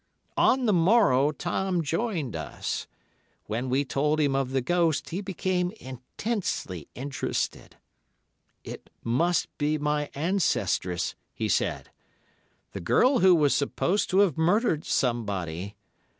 "On the morrow Tom joined us. When we told him of the ghost, he became intensely interested. "'It must be my ancestress,' he said. 'The girl who was supposed to have murdered somebody.